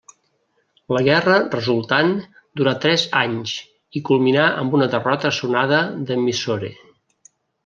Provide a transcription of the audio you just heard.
La guerra resultant durà tres anys i culminà amb una derrota sonada de Mysore.